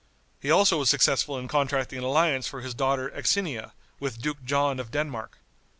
He also was successful in contracting an alliance for his daughter Axinia, with Duke John of Denmark.